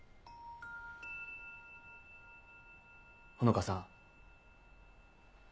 穂香さん。